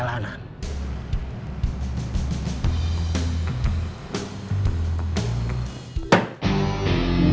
murad dan pipit